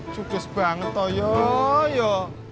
cukup banget tau ya